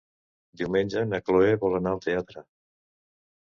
Diumenge na Cloè vol anar al teatre.